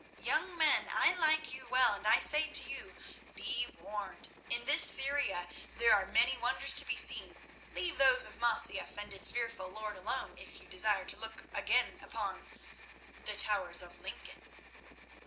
Young men, I like you well, and I say to you, be warned. In this Syria there are many wonders to be seen; leave those of Masyaf and its fearful lord alone if you desire to look again upon—the towers of Lincoln."